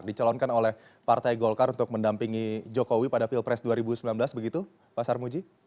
dicalonkan oleh partai golkar untuk mendampingi jokowi pada pilpres dua ribu sembilan belas begitu pak sarmuji